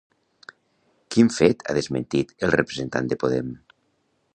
Quin fet ha desmentit el representant de Podem?